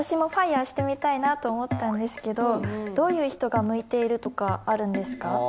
私もＦＩＲＥしてみたいなと思ったんですけどどういう人が向いているとかあるんですか？